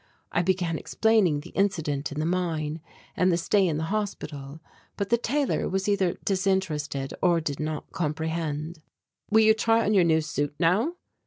I began explaining the incident in the mine and the stay in the hospital; but the tailor was either disinterested or did not comprehend. "Will you try on your new suit now?"